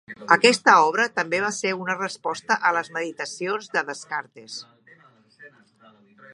Aquesta obra també va ser una resposta a les "Meditacions" de Descartes.